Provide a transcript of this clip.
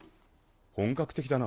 本格的だな。